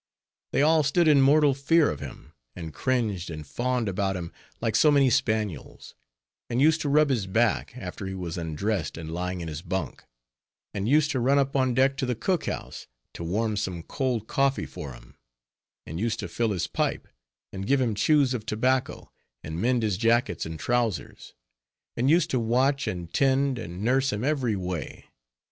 They all stood in mortal fear of him; and cringed and fawned about him like so many spaniels; and used to rub his back, after he was undressed and lying in his bunk; and used to run up on deck to the cook house, to warm some cold coffee for him; and used to fill his pipe, and give him chews of tobacco, and mend his jackets and trowsers; and used to watch, and tend, and nurse him every way.